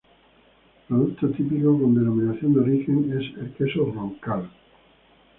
Producto típico con denominación de origen es el queso Roncal.